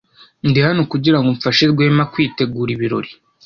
Ndi hano kugirango mfashe Rwema kwitegura ibirori.